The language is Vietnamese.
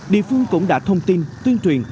địa phương cũng đã thông tin tuyên truyền